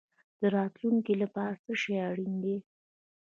د راتلونکي لپاره څه شی اړین دی؟